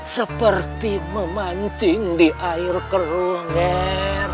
seperti memancing di air kerungan